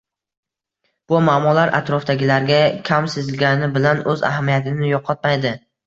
Bu muammolar atrofdagilarga kam sezilgani bilan o‘z ahamiyatini yo‘qotmaydi.